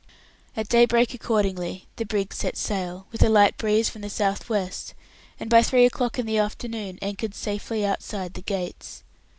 At daybreak accordingly the brig set sail, with a light breeze from the south west, and by three o'clock in the afternoon anchored safely outside the Gates.